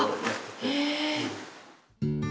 へえ。